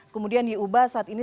kemudian diubah saat ini